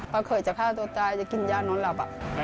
เคยจะฆ่าตัวตายจะกินยานอนหลับ